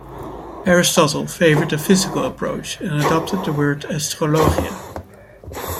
Aristotle favored a physical approach and adopted the word 'astrologia'.